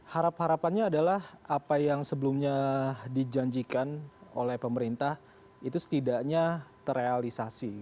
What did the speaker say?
harapan harapannya adalah apa yang sebelumnya dijanjikan oleh pemerintah itu setidaknya terrealisasi